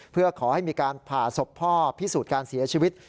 เพื่อขอให้มีการผ่าศพพ่อพิสูจน์การเสียชีวิต